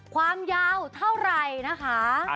ความยาวเท่าไหร่นะคะ